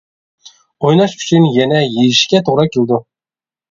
ئويناش ئۈچۈن يەنە يېشىشكە توغرا كېلىدۇ.